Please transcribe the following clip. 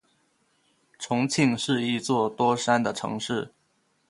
重庆是一座多山的城市。